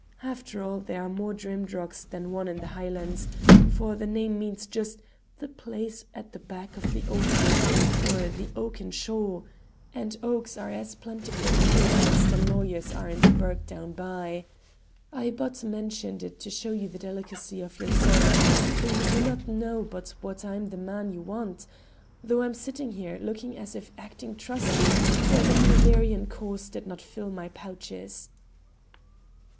After all, there are more Drimdarrochs than one in the Highlands, for the name means just 'the place at the back of the oak wood or the oaken shaw,' and oaks are as plentiful hereabout as the lawyers are in the burgh down by. I but mentioned it to show you the delicacy of your search, for you do not know but what I'm the very man you want, though I'm sitting here looking as if acting trusty for the Hanoverian cause did not fill my pouches."